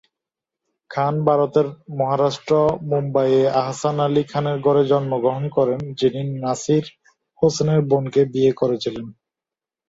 খান ভারতের মহারাষ্ট্র, মুম্বাইয়ে আহসান আলী খানের ঘরে জন্মগ্রহণ করেন, যিনি নাসির হোসেনের বোনকে বিয়ে করেছিলেন।